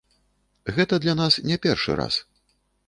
Гэта для нас не першы раз.